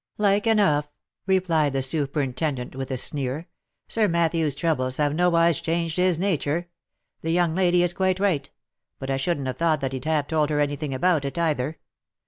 "Like enough!" replied the superintendent with a sneer. "Sir Matthew's troubles have nowise changed his nature. The young lady is quite right : but I shouldn't have thought as he'd have told her any thing about it, either.